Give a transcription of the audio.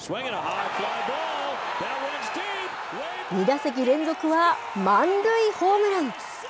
２打席連続は、満塁ホームラン。